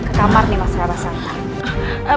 ke kamar nyai ratu ketikmani